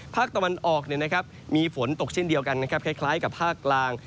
ภาคตะวันออกมีฝนตกเช่นเดียวกันนะครับคล้ายกับภาคกลาง